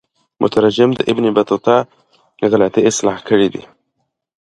مترجم د ابن بطوطه غلطی اصلاح کړي دي.